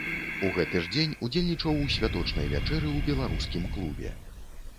У гэты ж дзень удзельнічаў у святочнай вячэры ў беларускім клубе.